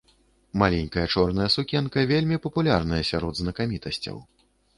Маленькая чорная сукенка вельмі папулярная сярод знакамітасцяў.